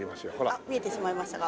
あっ見えてしまいましたか？